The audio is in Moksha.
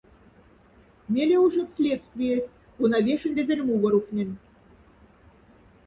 Меле ушедсь следствиясь, кона вешендезень муворуфнень.